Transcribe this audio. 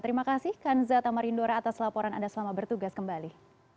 terima kasih kanza tamarindora atas laporan anda selamat bertugas kembali